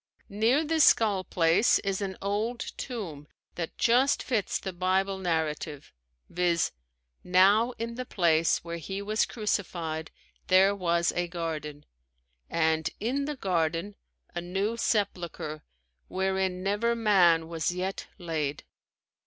Near this Skull Place is an old tomb that just fits the Bible narrative, viz: "Now in the place where he was crucified there was a garden, and in the garden a new sepulchre wherein never man was yet laid."